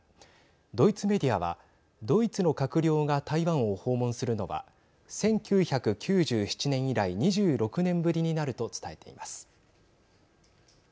ドイツメディアはドイツの閣僚が台湾を訪問するのは１９９７年以来２６年ぶりになると伝えています。